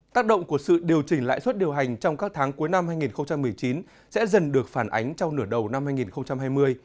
tác động của sự điều chỉnh lãi suất điều hành trong các tháng cuối năm hai nghìn một mươi chín sẽ dần được phản ánh trong nửa đầu năm hai nghìn hai mươi